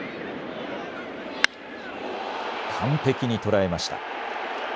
完璧に捉えました。